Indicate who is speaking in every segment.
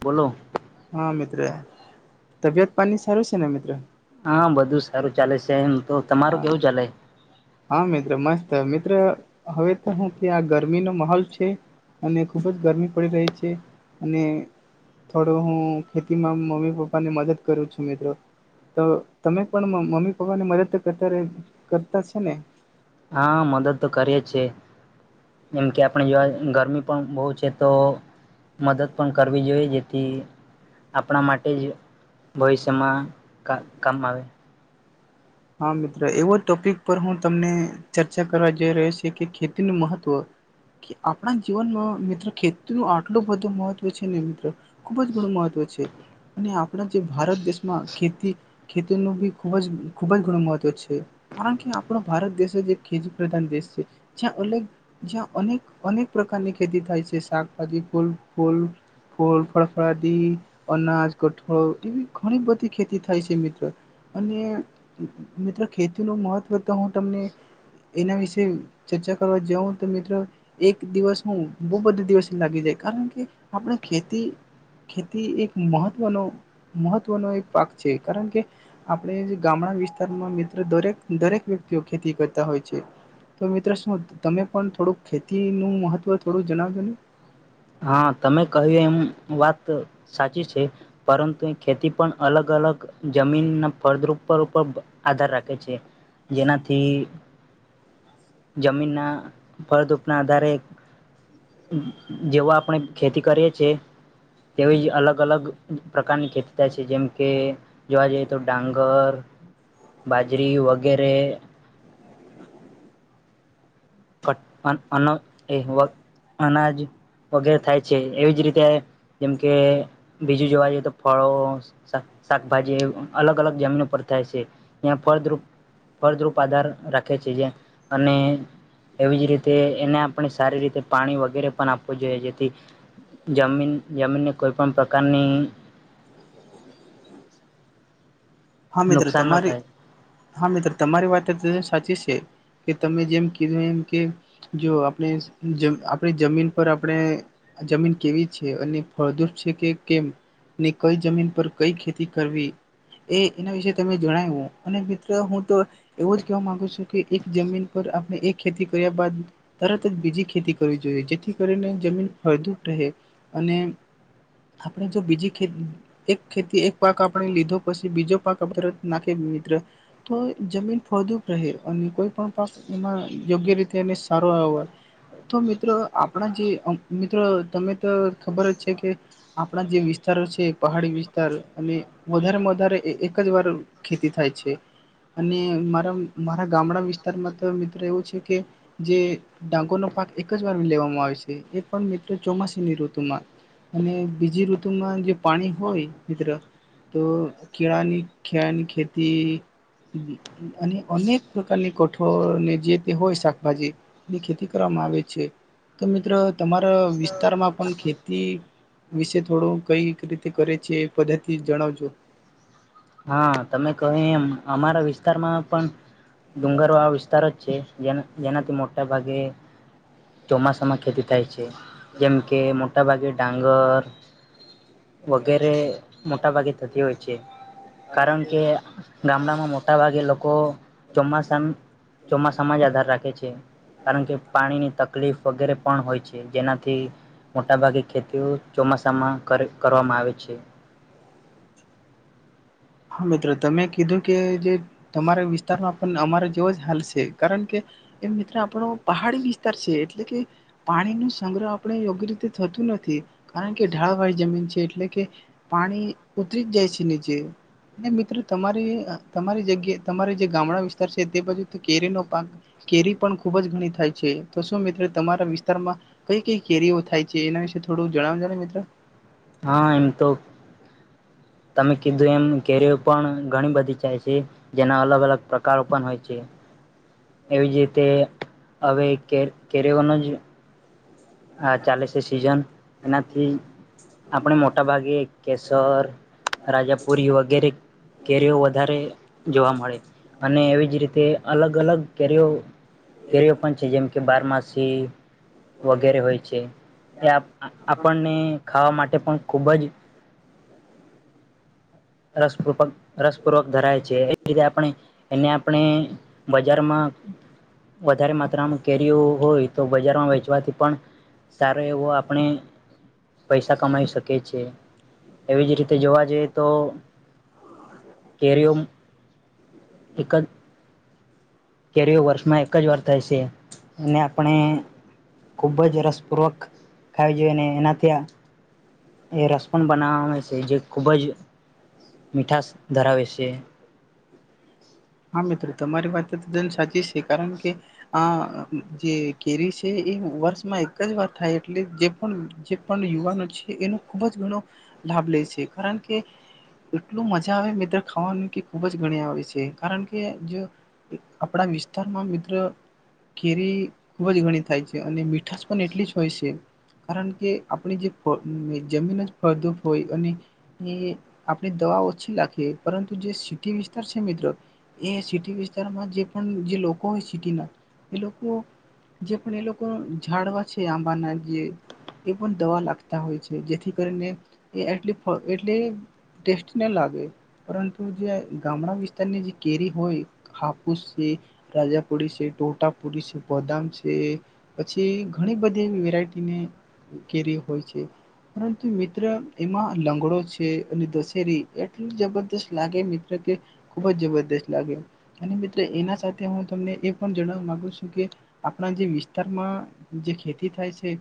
Speaker 1: બોલો.
Speaker 2: ત્ર તબિયત પાની સારું છે ને મિત્ર?
Speaker 1: હા બધું સારું ચાલે શ. [unintelligible] તો તમારું
Speaker 2: હા
Speaker 1: કેવું ચાલે? [inaudible]
Speaker 2: ત મિત્ર હવે તો હું કે આ ગરમીનો મહોલ છે અને ખૂબ જ ગરમી પડી રહી છે અને થોડો હું ખેતીમાં મમ્મી પપ્પાને મદદ કરું છું મિત્રો તો તમે પણ મ-મમ્મી પપ્પાને મદદ ત કરતા રઈ કરતા છે ને
Speaker 1: હા મદદ તો કરીએ જ છે. [inaudible] જેમ કે આપણે યય ગરમી પણ બૌ છે તો મદદ પણ કરવી જોઈએ જેથી આપણા માટે જ ભવિષ્યમાં કા-કામ આવે.
Speaker 2: હા મિત્ર એવો ટોપિક પર હું તમને ચર્ચા કરવા જઈ રહ્યો છ કે ખેતીનું મહત્વ કે આપણા જીવનમાં મિત્ર ખેતીનું આટલું બધું મહત્વ છે ને મિત્રો ખુબ જ ઘણું મહત્વ છે અને આપણા જે ભારત દેશ માં ખેતી ખેતીનું બી ખૂબ જ ખૂબ જ ઘણું મહત્વ છે કારણ કે આપણો ભારત દેશ જ એક ખેજી પ્રધાન દેશ છે. જ્યાં અલગ જ્યાં અનેક અનેક પ્રકારની ખેતી થાય છે શાકભાજી, ફૂલ-ફૂલ, ફૂલ, ફળફળાદી, અનાજ, કઠોળ એવી ઘણી બધી ખેતી થાય છે મિત્ર અને મિ-મિત્ર ખેતીનું મહત્વ તો હું તમને એના વિશે ચર્ચા કરવા જઉં તો મિત્રો એક દિવસ હું બૌ બધું દિવસ લાગી જાય કારણ કે આપણે ખેતી ખેતી એક મહત્વનો મહત્વનો એક પાક છે કારણ કે આપણે જે ગામડા વિ સ્તર મિત્ર દરેક દરેક વ્યક્તિઓ ખેતી કરતા હોય છે તો મિત્ર શું ત-તમે પણ થોડું ખેતીનું મહત્વ થોડું જણાવજો ને.
Speaker 1: હા તમે કહ્યું એમ વાત સાચી છે પરંતુ એ ખેતી પણ અલગ અલગ જમીનના ફળદૂપ પર-ઉપર-પ આધાર રાખે છે. જેનાથી જમીન ના ફળદરૂપ ના આધારે [inaudible] જેવો આપણે ખેતી કરીએ છીએ તેવી જ અલગ અલગ પ્રકારની ખેતી થાય છે જેમકે જોવા જઈએ તો ડાંગર બાજરી વગેરે [unintelligible] અન એહવાટ અનાજ વગેરે થાય છે. એવી જ રીતે જેમકે બીજું જોવા જઈએ તો ફળો સ-શાક-શાકભાજી અલગ અલગ જમીન પર થાય છે ઈયા ફળદુપ ફળદ્રુપ આધાર રાખે છે જે અને એવી જ રીતે એને આપણે સારી રીતે પાણી વગેરે પણ આપવું જોઈએ જેથી જમીન જમીનને કોઈ પણ પ્રકારની [inaudible]
Speaker 2: હા મિત્રો
Speaker 1: નુકસાન ન
Speaker 2: તમારી
Speaker 1: થાય
Speaker 2: [inaudible] હા મિત્રો તમારી વાત તજ સાચી છે કે તમે જેમ કીધું એમ કે જો આપણે જ આપણી જમીન પર આપણે જમીન કેવી છે અને ફળદૂપ છે કે કેમ ને કઈ જમીન પર કઈ ખેતી કરવી એ એના વિશે તમે જણાઈવું અને મિત્ર હું તો એવો જ કહેવા મામાંગુ છું કે એક જમીન પર આપણે એક ખેતી કર્યા બાદ તરત જ બીજી ખેતી કરવી જોઈએ જેથી કરીને જમીન ફળદુ રહે અને આપણે જો બીજી ખેત એક ખેતી એક પાક આપણે લીધો પશી બીજો પાક [unintelligible] નાખે મિત્ર તો જમીન ફળદુપ રહે અને કોઈ પણ પાક એમાં યોગ્ય રીતે એ સારો આવ હોય તો મિત્રો આપણા જે અં મિત્રો તમે તો ખબર જ છે કે આપણા જે વિસ્તારો છે પહાડી વિસ્તાર અને વધારે મ વધારે એ-એ-એક જ વાર ખેતી થાય છે અને મારા મારા ગામડા વિસ્તારમાં તો મિત્ર એવું છે કે જે ડાંગોરનો પાક એક જ વાર લેવામાં આવે છે એ પણ મિત્ર ચોમાસીની ઋતુમાં અને બીજી ઋતુમાં જો પાણી હોય મિત્ર તો કેળાની ખ્યાણી ખેતી ઉમ્મ ઉમ્મ અને અનેક પ્રકારની કઠોળને જે તે હોય શાકભાજી એની ખેતી કરવામાં આવે છે. તો મિત્રો તમારા વિસ્તારમાં પણ ખેતી વિશે થોડું કઈ ક રીતે કરે છે એ પદ્ધતિ જણાવજો.
Speaker 1: હા તમે કહેએમ અમારા વિસ્ વિસ્તારમાં પણ ડુંગર આ વિસ્તાર જ છે જે જેનાથી મોટા ભાગે ચોમાસામાં ખેતી થાય છે. જેમ કે મો ગટાભાગી ડંગર વગેરે મોટા ભાગે થતી હોય છે. કારણ કે ગામડામાં મોટા ભાગે લોકો ચોમાસા ચોમાસામાં જ આધાર રાખે છે કારણ કે પાણીની તકલીફ વગેરે પણ હોય છે જેનાથી મોટાભાગે ખેતીઓ ચોમાસામાં કરવામાં આવે છે.
Speaker 2: હા મિત્રો તમે કીધું કે જે તમારા વિસ્તારમાં પણ અમારે તેવ જ હાલ છે કારણ કે એ મિત્ર આપણો પહાડી વિસ્તાર છે એટલે કે પાણી ન સંગ્રહ આપણે યોગ્ય રીતે થતું નથી કારણ કે ઢાળવાળી જમીન છે એટલે કે પાણી ઉતરી જ જાય છે ની જેે મિત્રો તમારી તમારી જગ્યાએ તમારી જે ગામડા વિસ્તાર છે તે બાજુ કેરીનો પાક કેરી પણ ખુબ જ ઘણી થાય છે તો શું મિત્ર તમારા વિસ્તારમાં કઈ કઈ કેરીઓ થાય છે એના વિશે થોડું જણાવ જો ને મિત્રો.
Speaker 1: હા એમ તો તમે કીધું એમ કેરીઓ પણ ઘણી બધી થાય છે. જેના અલગ અલગ પ્રકાર પ્રકારો પણ હોય છે. એવી જ રીતે હવે કે કેરીઓનો જ હ ચાલે સે સિઝન. એનાથી આપણે મોટાભાગે કેસર રાજાપુરી વગેરે કેરીઓ વધારે જોવા મળે અને એવી જ રીતે અલગ અલગ કેરીઓ કેરીઓ પણ છે જેમ કે કે બારમાસી વ ગેરે હોય છે એ આપણને ખાવા માટે પણ ખૂબ જ રસ પૂર્વક રસપૂર્વક ધરાવે છે એ રીતે આપણે એને આપણે બજારમાં વધારે માત્રામાં કેરીઓ હોય તો બજારમાં વેચવાથી પણ સારો એવો આપણે પૈસા કમાઈ શકીએ છેએ એવી જ રીતે જોવા જઈએ તો કેરીઓ મ એક જ કેરી વર્ષમાં એક જ વાર થાય છે અને આપણે ખુબ જ રસપૂર્વક ખાવી જોઈએ ને એના ત્યાં એ રસ પણ બનાવે છે જે ખૂબ જ મીઠાશ ધરાવે છે.
Speaker 2: હા મિત્રો તમારી વાત તદ્દન સાચી છે કારણ કે આ જે કેરી છે એ વર્ષમાં એક જ વાર થાય એટલે જે પણ જે પણ યુવાનો છે એનો ખૂબ જ ઘણો લાભ લે છે કારણ કે એટલું મજા આવે મિત્ર ખાવાનું કે ખૂબ જ ઘણી આવે છે. કારણ કે જો આપણા વિસ્તારમાં મિત્ર કેરી ખૂબ જ ઘણી થાય છે અને મીઠાશ પણ એટલી જ હોય છે કારણ કે આપણી જે જમીન જ ફળદૂપ હોય અને એ આપણે દવા ઓછી રાખીએ પરંતુ જે સિટી વિસ્તાર છે મિત્ર એ સિટી વિસ્તારમાં જે પણ જે લોકો હોય સિટીના એ લોકો જે પણ એ લોકો ઝડવા છે આંબાના જે એ પણ દવા લાગતા હોય છે જેથી કરીને એ એટલે ટેસ્ટ ના લાગે પરંતુ જે ગામડા વિસ્તારની જે કેરી હોય હાપુસ છે રાજાપુરી છે ટોટાપુરી છે બદામ છે પછી ઘણી બધી એવી વેરાયટીની કેરી હોય છે પરંતુ મિત્ર એમાં લંગડો છે અને દશેરી એટલી જબરદસ્ત લાગે મિત્ર કે ખૂબ જ જબર મિત્ર એના સાથે હું તમને એ પણ જણાવવા મામાંગુ છું કે આપણા જે વિસ્તારમાં જે ખેતી થાય છે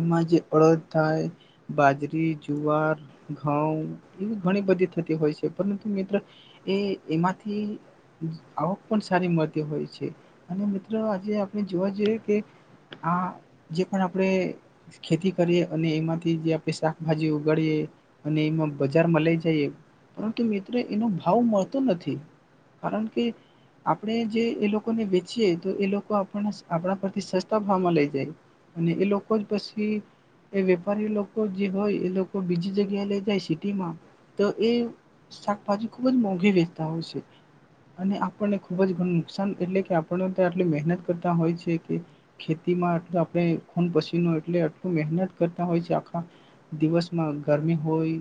Speaker 2: એમાં જે અડદ થાય, બાજરી, જુવાર, ઘઉં એવી ઘણી બધી થતી હોય છે પરંતુ મિત્ર એ એમાંથી આવક પણ સારી મળતી હોય છે અને મિત્રો આજે આપણે જોવા જઈએ કે આ જે પણ આપણે ખેતી કરીએ અને એમાંથી જે આપણે શાકભાજી ઉગાડીએ અને એમાં બજારમાં લઈ જઈએ પરંતુ મિત્રો એનો ભાવ મળ નથી કારણ કે આપણે જે એ લોકોને વેચીએ તો એ લોકો આપને આપણા પરથી સસ્તા ભાવમાં લઈ જાય અને એ લોકો જ પછી એ વેપારી લોકો જે હોય એ લોકો બીજી જગ્યાએ લઈ જાય સિટીમાં તો એ શાકભાજી ખુબ જ મોંઘી વેચ અને આપણને ખુબ જ ઘણું નુકસાન એટલે કે આપણે આટલી મહેનત કરતા હોય છે કે ખેતીમાંટ આપણે ખૂન પછી એટ આટલ મહેનત કરતા હોય છે આખા દિવસમાં ગરમી હોય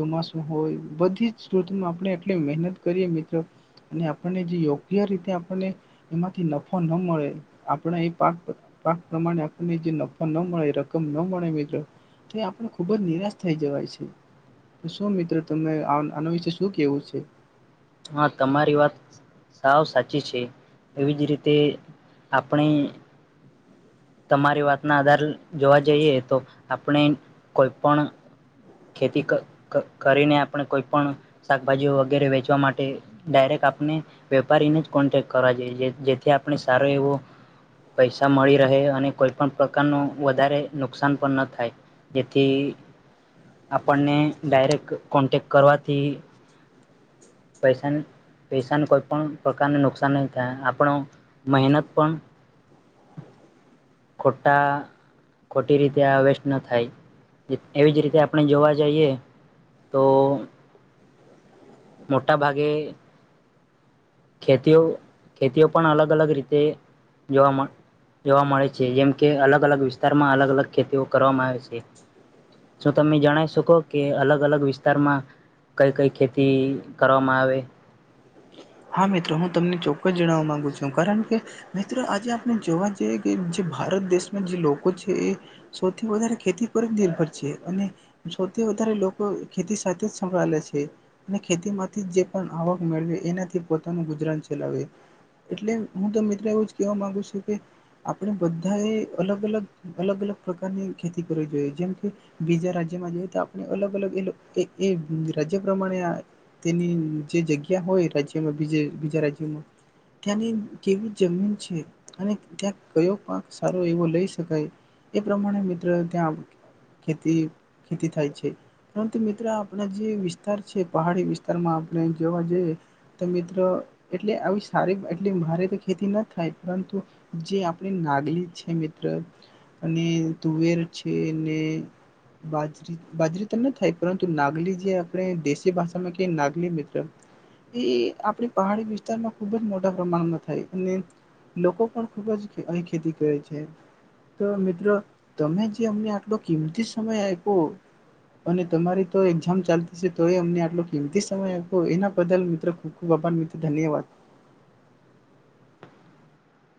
Speaker 2: ચોમાસું હોય બધી જમાં આપણે એટલી મહેનત આપણને જે યોગ્ય રીતે આપણને એમાંથી નફા ન મળે આપણા એ પાક પાક પ્રમાણે આપણને જે નફો ન મળે રકમ ન મળે મિત્રો તો આપણે ખુબ જ નિરાશ થઈ જવાય છે શું મિત્ર ત આના વિશે શું કેવું છે.
Speaker 1: હા તમારી વાત સાવ સાચી છે. એવી જ રીતે આપણી તમારી વાતના આધાર જોવા જઈએ તો આપણે કોઈ પણ ખેતી કરીને આપણે કોઈ પણ શાકભાજી વગેરે વેચવા માટે ડાયરેક્ટ આપણે વેપારીને જ કોન્ટેક્ટ કરવા જોઈએ જેથી આપણે સારો એવો પૈસા મળી અને કોઈ પણ પ્રકાર ન વધારે નુકસાન પણ ન થાય. જેથી આપણને ડાયરેક્ટ કોન્ટેક્ટ કરવાથી પૈસા પૈસાને કોઈ પણ પ્રકારને નુકસાન નહી થાય આપણો મહેનત પણ ખોટા ખોટી રીતે આ વેસ્ટ ન થાય એવી જ રીતે આપણે જોવા જઈએ તો મોટાભાગે ખેતીઓ ખેતીઓ પણ અલગ અલગ રીતે જોવા મળ જોવા મળે છે જેમ કે અલગ અલગ વિસ્તારમાં અલગ અલગ ખેતીઓ કરવામાં આવે છે શું તમે જણ શકો કે અલગ અલગ વિસ્તારમાં કઈ કઈ ખેતી કરવામાં આવે.
Speaker 2: હા મિત્રો હું તમને ચોક્કસ જણાવવા માંગુ છું કારણ કે મિત્રો આજે આપણે જોવા જઈએ કે જે ભારત દેશમાં જે લોકો છે એ સૌથી વધારે ખેતી પર જ નિર્ભર છે અને સૌથી વધારે લોકો ખેતી સાથે જ સંભાલે છે અને ખેતી માંથી જે પણ આવક મેળવે એના પોનું ગુજરાન ચલાવે એટલે હું તો મિત્ર એવું જ કેવા માંગુ છું કે આપણે બધા એ અલગ અલગ અલગ અલગ પ્રકારની ખેતી કરવી જોઈએ જેમ કે બીજા રાજ્યમાં જોઈએ તો આપણે અલગ અલગ એ રાજ્ય પ્રમાણે તેની જે જગ્યા હોય રજ બીજા રાજ્યોમાં ત્યાંની કેવી જમીન છે અને ત્યાં કયો પાક સારો એવો લઈ શકાય એ પ્રમાણે મિત્ર ત્યાં ખેતી ખેતી થાય છે પરંતુ મિત્ર આપણા જે વિસ્તાર છે પહાડી વિસ્તારમાં આપણે જેવા જે મ્ર એટલે આવી સારી એટલે મારે તો ખેતી ન થાય પરંતુ જે આપણી નાગલી છે મિત્ર અને તુવેર છે ને બાજરી બાજરી તો ન થાય પરંતુ નાગલી જે આપણે દેશી ભાષામાં કે નાગલી મિત્ર એ આપણી પહાડી વિસ્તારમાં ખૂબ જ મોટા પ્રમાણમાં થાય અને લોકો પણ ખૂબ જ ખેતી કરે છે તો મિત્રો તમે જે અમને આટલો કિંમતી સમય આપો અને તમારી તો એક્ઝામ ચાલતી છે તો એ અમને આટલો કિંમતી સમય આપો એના બદલ મિત્રો ખૂબ ખૂબ અભાન મિત્ર ધન્યવાદ.